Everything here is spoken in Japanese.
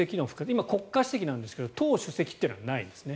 今、国家主席なんですが党主席というのはないんですね。